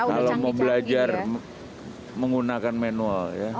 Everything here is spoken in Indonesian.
kalau mau belajar menggunakan manual ya